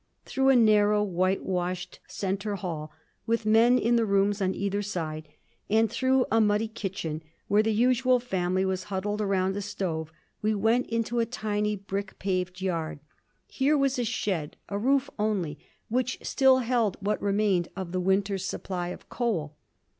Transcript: Through a narrow, whitewashed centre hall, with men in the rooms on either side, and through a muddy kitchen, where the usual family was huddled round a stove, we went into a tiny, brick paved yard. Here was a shed, a roof only, which still held what remained of the winter's supply of coal.